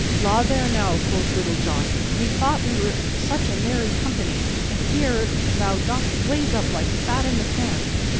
"La there, now!" quoth Little John. "Methought we were such a merry company, and here thou dost blaze up like fat in the pan.